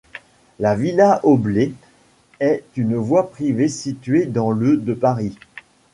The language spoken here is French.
La villa Aublet est une voie privée située dans le de Paris.